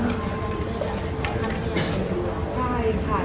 น้องมีใครที่จะได้รัก